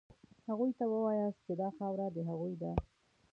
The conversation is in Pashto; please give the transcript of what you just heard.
هغوی ته ووایاست چې دا خاوره د هغوی ده.